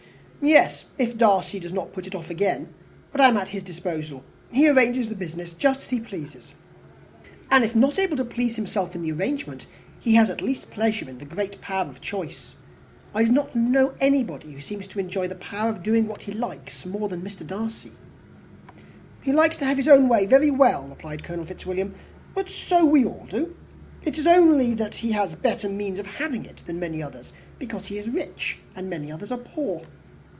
"Yes if Darcy does not put it off again. But I am at his disposal. He arranges the business just as he pleases." "And if not able to please himself in the arrangement, he has at least great pleasure in the power of choice. I do not know anybody who seems more to enjoy the power of doing what he likes than Mr. Darcy." "He likes to have his own way very well," replied Colonel Fitzwilliam. "But so we all do. It is only that he has better means of having it than many others, because he is rich, and many others are poor.